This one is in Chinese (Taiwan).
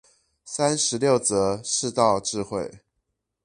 三十六則世道智慧